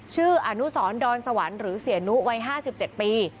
ชื่ออนุสรดอนสวรรค์หรือเสียนุวัย๕๗ปี